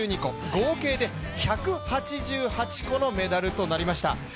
合計で１８８個のメダルとなりました。